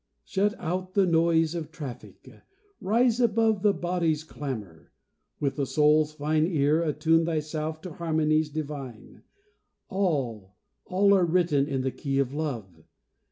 Shut out the noise of traffic! Rise above The body's clamour! With the soul's fine ear Attune thyself to harmonies divine— All, all are written in the key of Love.